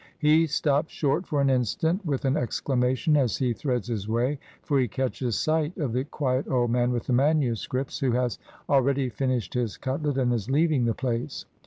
He stops short for an instant with an exclamation as he threads his way, for he catches sight of the quiet old man with the MSS. who has already finished his cutlet and is leaving the place.